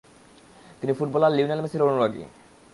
তিনি footballer Lionel মেসির অনুরাগী।